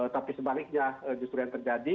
tapi sebaliknya justru yang terjadi